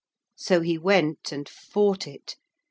So he went and fought it.